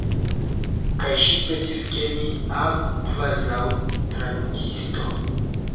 Kaj ŝi petis, ke mi agu kvazaŭ tradukisto.